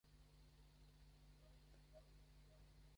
Hakimi was born in Tabriz to an ethnic Iranian Azerbaijani family.